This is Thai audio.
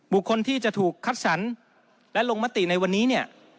บุคคลที่จะถูกคัดสรรและลงมติในวันนี้เนี่ย